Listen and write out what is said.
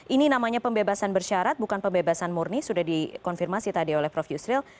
ini namanya pembebasan bersyarat bukan pembebasan murni sudah dikonfirmasi tadi oleh prof yusril